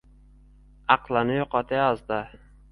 aqlini yo’qotayozdi.